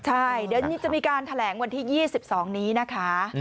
ใช่เดี๋ยวจะมีการแถลงวันที่๒๒นี้นะคะ